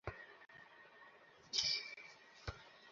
এই কারণে জাত-পাতের বিষয়টা একেবারেই বুলশিট।